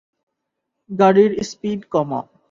গাড়ির স্পিড কমাও।